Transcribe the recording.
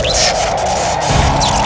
sama sama dengan kamu